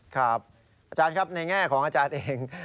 อาจารย์ครับในแง่ของอาจารย์เอง